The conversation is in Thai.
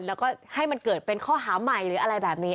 แล้วก็ให้มันเกิดเป็นข้อหาใหม่หรืออะไรแบบนี้